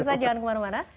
umin sajjahan kemana mana